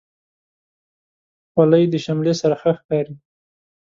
خولۍ د شملې سره ښه ښکاري.